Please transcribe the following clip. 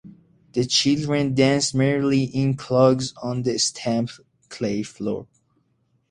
The children danced merrily in clogs on the stamped clay floor.